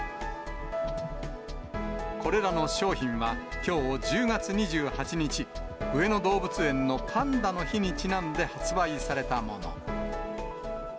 これらの商品は、きょう１０月２８日、上野動物園のパンダの日にちなんで発売されたもの。